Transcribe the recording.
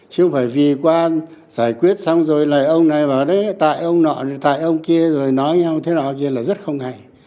chứ không phải vì qua giải quyết xong rồi lại ông này vào đấy tại ông nọ tại ông kia rồi nói như thế nào thế nào thế nào là rất không hay